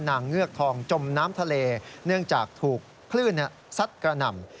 เงือกทองจมน้ำทะเลเนื่องจากถูกคลื่นซัดกระหน่ำ